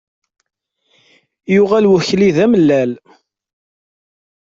Yuɣal wakli d amellal.